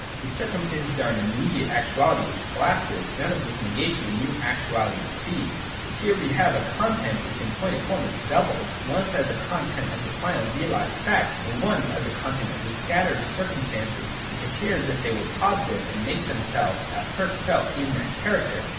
These circumstances are an immediate actuality which collapses, and out of this negation a new actuality proceeds. Here we have a content which in point of form is doubled, once as content of the final realised fact, and once as content of the scattered circumstances which appear as if they were positive, and make themselves at first felt in that character.